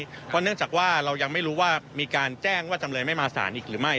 เพราะเนื่องจากว่าเรายังไม่รู้ว่ามีการแจ้งว่าจำเลยไม่มาสารอีกหรือไม่